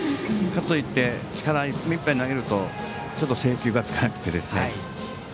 かといって目いっぱい投げるとちょっと制球がつかなくて。